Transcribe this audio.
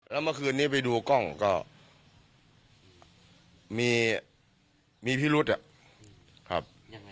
แล้วเมื่อคืนนี้ไปดูกล้องก็มีพิรุษยังไง